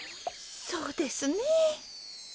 そうですね。